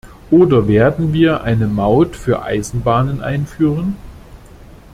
Oder werden wir eine Maut für Eisenbahnen einführen?